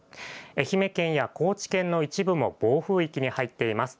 愛媛県や高知県の一部も暴風域に入っています。